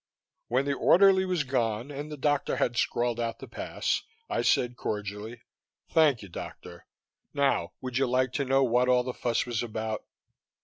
When the orderly was gone and the doctor had scrawled out the pass, I said cordially, "Thank you, Doctor. Now would you like to know what all the fuss was about?"